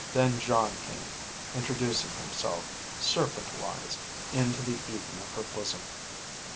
Then John came, introducing himself, serpent wise, into the Eden of her bosom.